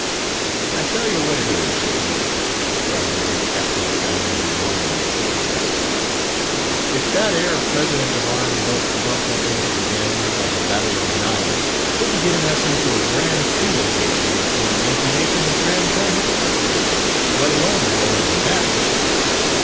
"I tell you what it is, shippies!" cried the old captain of gun No. 1 on the forecastle, "if that 'ere President of ourn don't luff up into the wind, by the Battle of the Nile! he'll be getting us into a grand fleet engagement afore the Yankee nation has rammed home her cartridges—let alone blowing the match!"